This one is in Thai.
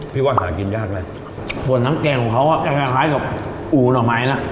พี่ว่าหากินยากไหมส่วนน้ำแกงของเขาอ่ะจะคล้ายคล้ายกับอู๋หน่อไม้นะ